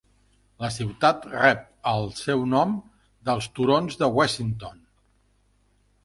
La ciutat rep el seu nom dels turons de Wessington.